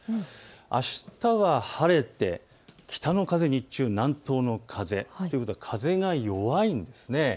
あしたは晴れて、北の風、日中、南東の風ということは風は弱いんです。